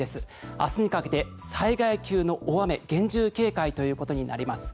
明日にかけて災害級の大雨厳重警戒ということになります。